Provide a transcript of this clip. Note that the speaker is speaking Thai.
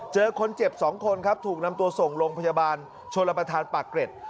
เจอคนเจ็บ๒คนครับถูกนำตัวส่งโรงพยาบาลชนประธานปากเกร็ด